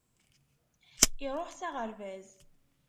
Iruḥ s aɣerbaz.